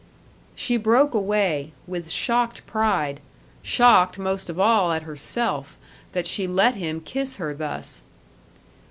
She broke away, with shocked pride shocked most of all at herself, that she let him kiss her thus.